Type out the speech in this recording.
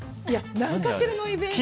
何かしらのイベント。